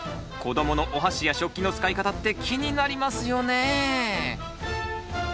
子どものおはしや食器の使い方って気になりますよねえ。